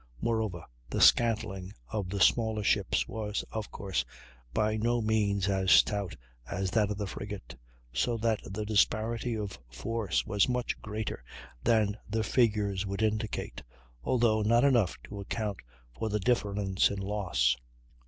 Moreover, the scantling of the smaller ships was, of course, by no means as stout as that of the frigate, so that the disparity of force was much greater than the figures would indicate, although not enough to account for the difference in loss.